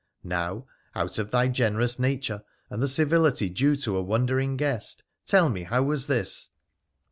Now, out of thy generous nature and the civility due to a wondering guest, tell me how was this.'